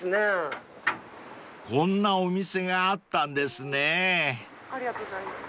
［こんなお店があったんですね］